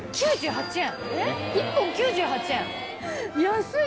９８円１本９８円。